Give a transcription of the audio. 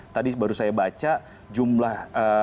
tadi baru saya baca jumlah